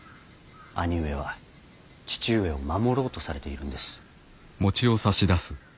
兄上は父上を守ろうとされているんです。